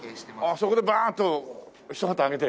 そこでバーッと一旗揚げて。